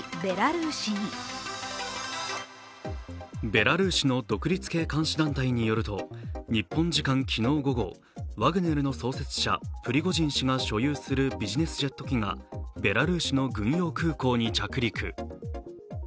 ベラルーシの独立系監視団体によると、日本時間昨日午後、ワグネルの創設者、プリゴジン氏が所有するビジネスジェット機がベラルーシの軍用空港に着陸。